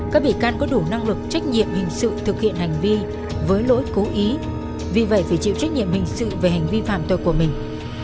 các bị can có đủ năng lực trách nhiệm hình sự thực hiện hành vi với lỗi cố ý vì vậy phải chịu trách nhiệm hình sự về hành vi phạm tội của mình